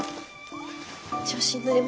調子に乗りました